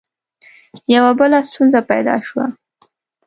یوه بله ستونزه پیدا شوه.